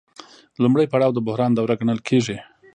لومړی پړاو د بحران دوره ګڼل کېږي